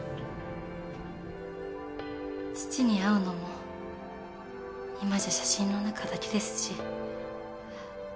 父に会うのも今じゃ写真の中だけですし。